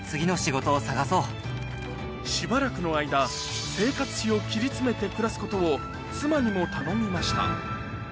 しばらくの間生活費を切り詰めて暮らすことを妻にも頼みました